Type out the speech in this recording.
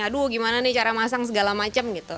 aduh gimana nih cara masang segala macam gitu